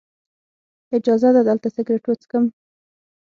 اجازه ده دلته سګرټ وڅکم.